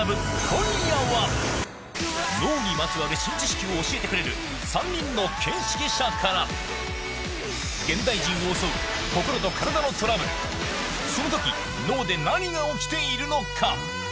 今夜は脳にまつわる新知識を教えてくれる３人の見識者から現代人を襲う心と体のトラブルその時脳で何が起きているのか？